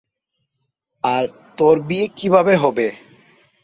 আর তোর বিয়ে কীভাবে হবে?